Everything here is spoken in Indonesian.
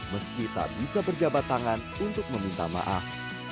meski tak bisa berjabat tangan untuk meminta maaf